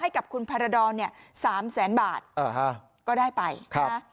ให้กับคุณพารดรเนี่ยสามแสนบาทอ่าฮะก็ได้ไปค่ะ